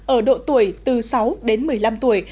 ở độ tuổi từ sáu đến một mươi năm tuổi